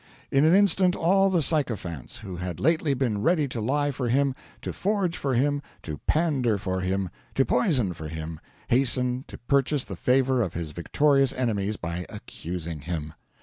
In an instant all the sycophants, who had lately been ready to lie for him, to forge for him, to pander for him, to poison for him, hasten to purchase the favor of his victorious enemies by accusing him.